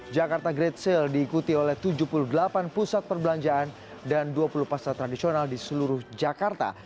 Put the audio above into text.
jakarta great sale diikuti oleh tujuh puluh delapan pusat perbelanjaan dan dua puluh pasar tradisional di seluruh jakarta